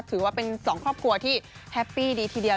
ถือว่าเป็นสองครอบครัวที่แฮปปี้ดีทีเดียว